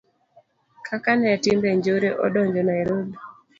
kaka ne timbe njore odonjo Nairobi